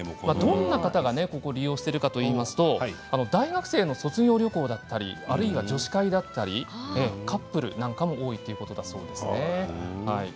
どんな方が利用しているかというと大学生の卒業旅行だったりあるいは女子会だったりカップルなんかも多いということです。